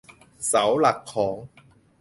เสาหลักของ